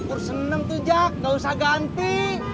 ur seneng tuh jak nggak usah ganti